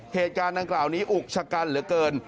เหตุการณ์ดังกล่าวนี้อุกชะกันเหลือเกิน